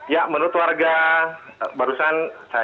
ya menurut warga barusan saya ngobrol ngobrol dengan warga